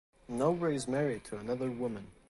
Nobre is married to another woman.